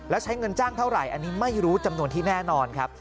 แล้วใช้เงินจ้างเท่าไหร่อันนี้ไม่รู้จำนวนที่แน่นอนครับ